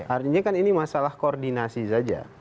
artinya kan ini masalah koordinasi saja